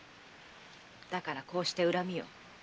だからこうして恨みを。